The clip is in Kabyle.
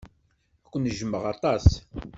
Ad ken-jjmeɣ aṭas.